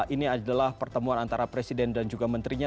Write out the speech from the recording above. ini adalah pertemuan antara presiden dan juga menterinya